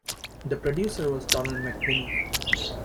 The producer was Donald McWhinnie.